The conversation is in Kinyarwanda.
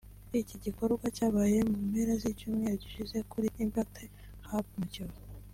Iki gikorwa cyabaye mu mpera z’icyumweru gishize kuri Impact Hub mu Kiyovu